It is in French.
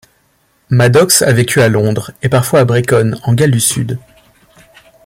Maddox a vécu à Londres, et parfois à Brecon en Gales du Sud.